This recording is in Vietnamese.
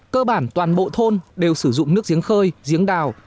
cơ bản toàn bộ thôn đều sử dụng nước giếng khơi giếng đào